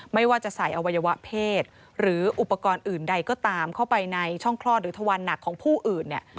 ไม่ว่าจะใส่อวัยวะเพศหรืออุปกรณ์อื่นใดก็ตามเข้าไปในช่องคลอดหรือทวันหนักของผู้อื่นเนี่ย